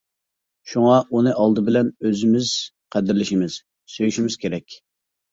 شۇڭا ئۇنى ئالدى بىلەن ئۆزىمىز قەدىرلىشىمىز، سۆيۈشىمىز كېرەك.